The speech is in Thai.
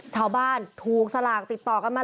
ชาวบ้านถูกสลากติดต่อกันมา